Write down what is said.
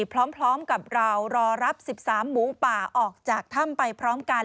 พร้อมกับเรารอรับ๑๓หมูป่าออกจากถ้ำไปพร้อมกัน